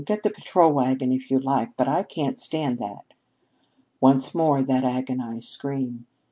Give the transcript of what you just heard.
Get the patrol wagon if you like. But I can't stand that " Once more that agonized scream!